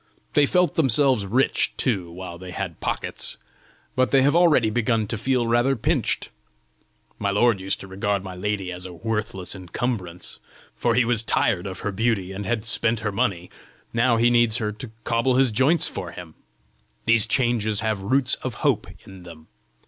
They felt themselves rich too while they had pockets, but they have already begun to feel rather pinched! My lord used to regard my lady as a worthless encumbrance, for he was tired of her beauty and had spent her money; now he needs her to cobble his joints for him! These changes have roots of hope in them.